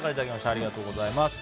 ありがとうございます。